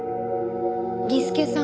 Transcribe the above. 儀助さん。